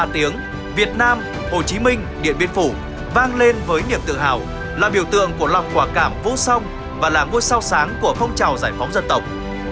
ba tiếng việt nam hồ chí minh điện biên phủ vang lên với niềm tự hào là biểu tượng của lòng quả cảm vô song và là ngôi sao sáng của phong trào giải phóng dân tộc